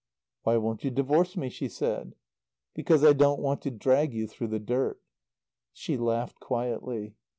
"Why won't you divorce me?" she said. "Because I don't want to drag you through the dirt." She laughed quietly.